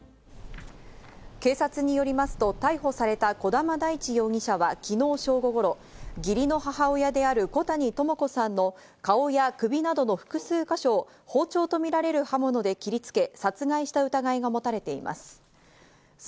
警察によりますと逮捕された児玉大地容疑者は昨日正午頃、義理の母親である小谷朋子さんの顔や首などを複数か所を包丁とみられる刃物で切りつけ、殺害した疑いが持たれています。